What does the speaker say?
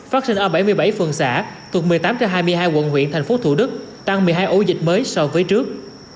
phát sinh ở bảy mươi bảy phường xã thuộc một mươi tám trên hai mươi hai quận huyện thành phố thủ đức tăng một mươi hai ổ dịch mới so với trước